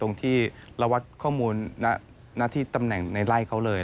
ตรงที่เราวัดข้อมูลหน้าที่ตำแหน่งในไล่เขาเลย